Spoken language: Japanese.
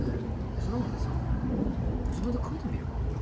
空豆さ自分で描いてみれば？